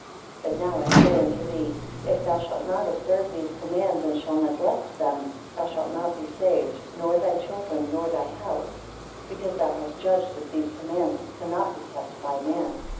16 But now I say unto thee, if thou shalt not observe these commands, and shall neglect them, thou shalt not be saved, nor thy children, nor thy house: because thou hast judged that these commands cannot be kept by man.